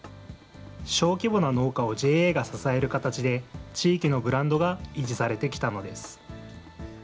小規模な農家をＪＡが支える形で、地域のブランドが維持されてきたのです。